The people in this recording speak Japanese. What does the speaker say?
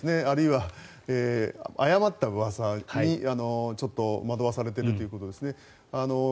あるいは誤ったうわさにちょっと惑わされているということですね。